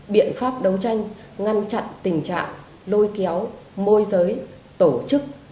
biện pháp đấu tranh ngăn chặn tình trạng lôi kéo môi giới tổ chức